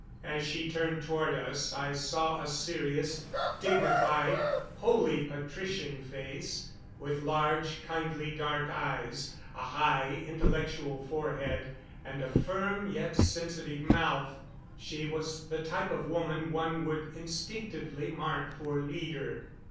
As she turned toward us I saw a serious, dignified, wholly patrician face, with large, kindly dark eyes, a high, intellectual forehead, and a firm yet sensitive mouth. She was the type of woman one would instinctively mark for leader.